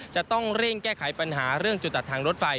จะต้องเร่งแก้ไขปัญหาเรื่องจุดตัดทางรถไฟ